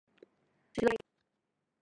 老鼠拉龜